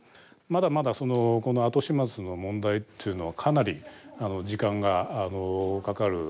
まだまだこの後始末の問題というのはかなり時間がかかる話になってきますんで。